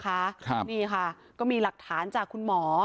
ครับนี่ค่ะก็มีหลักฐานจากคุณหมอ